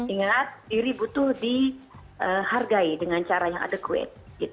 ingat diri butuh dihargai dengan cara yang adekuat